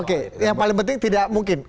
oke yang paling penting tidak mungkin